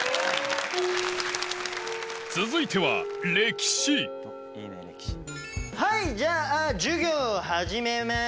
続いてははいじゃあ授業を始めます。